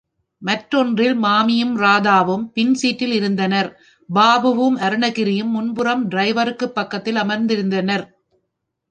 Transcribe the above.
மற்றொன்றில் மாமியும், ராதாவும், பின் சீட்டில் இருந்தனர் பாபுவும், அருணகிரியும் முன்புறம் டிரைவருக்கு பக்கத்தில் அமர்ந்திருந்திருந்தனர்.